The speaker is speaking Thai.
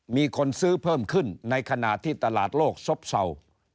มีคนซื้อเพิ่มขึ้นในขณะที่ตลาดโลกซบเศร้า